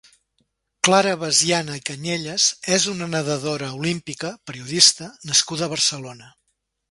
Clara Basiana i Cañellas és una nedadora olímpica, periodista nascuda a Barcelona.